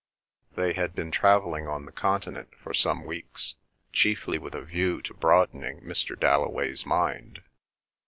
They had been travelling on the Continent for some weeks, chiefly with a view to broadening Mr. Dalloway's mind.